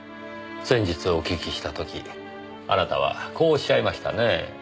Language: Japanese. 先日お聞きした時あなたはこうおっしゃいましたね。